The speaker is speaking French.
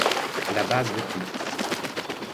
La base le quitte.